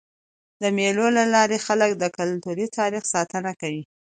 د مېلو له لاري خلک د کلتوري تاریخ ساتنه کوي.